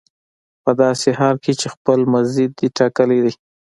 په داسې حال کې چې خپل مزد دې ټاکلی دی